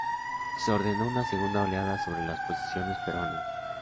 Se ordenó una segunda oleada sobre las posiciones peruanas.